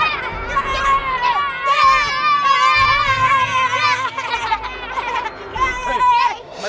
yang tepat kena sesaran